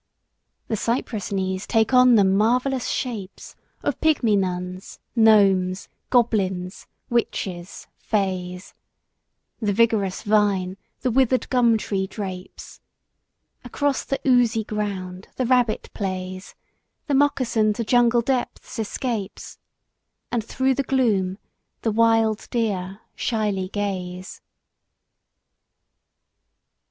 The cypress knees take on them marvellous shapes Of pygmy nuns, gnomes, goblins, witches, fays, The vigorous vine the withered gum tree drapes, Across the oozy ground the rabbit plays, The moccasin to jungle depths escapes, And through the gloom the wild deer shyly gaze.